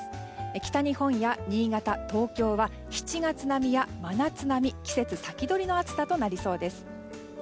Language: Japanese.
北日本や新潟、東京は７月並みや真夏並み季節先取りの暑さとなりそうです。